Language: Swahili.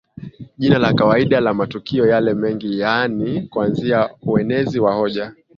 jina la kawaida la matukio yale mengi yaani kuanzia uenezi wa hoja